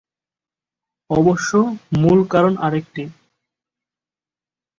অবশ্য মূল কারণ আরেকটি।